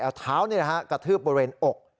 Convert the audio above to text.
เอาเท้ากระทืบบริเวณอก